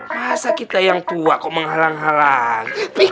masa kita yang tua kok menghalang hal lainnya